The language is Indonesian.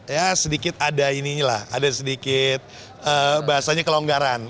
ya sedikit ada ini lah ada sedikit bahasanya kelonggaran